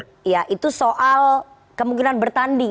ya itu soal kemungkinan bertanding